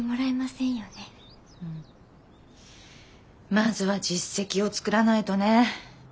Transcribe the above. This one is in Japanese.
まずは実績を作らないとね。